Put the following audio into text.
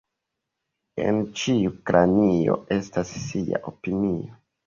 En ĉiu kranio estas sia opinio.